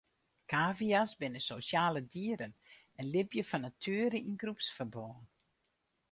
Kavia's binne sosjale dieren en libje fan natuere yn groepsferbân.